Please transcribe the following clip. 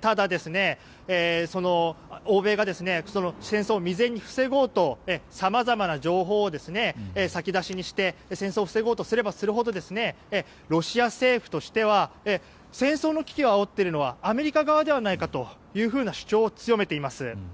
ただ、欧米が戦争を未然に防ごうとさまざまな情報を先出しにして戦争を防ごうとすればするほどロシア政府としては戦争の危機をあおっているのはアメリカ側ではないかというふうな主張を強めています。